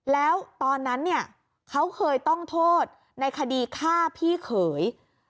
แล้วตอนนั้นเนี่ยเขาเคยต้องโทษในคดีฆ่าพี่เขย